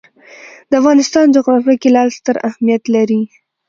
د افغانستان جغرافیه کې لعل ستر اهمیت لري.